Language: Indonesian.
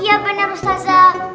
iya bener ustazah